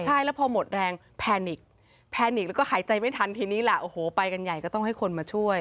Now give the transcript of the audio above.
ใช่แล้วพอหมดแรงแพนิกแพนิกแล้วก็หายใจไม่ทันทีนี้ล่ะโอ้โหไปกันใหญ่ก็ต้องให้คนมาช่วย